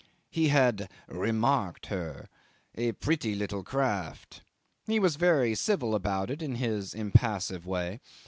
He had "remarked" her, a pretty little craft. He was very civil about it in his impassive way.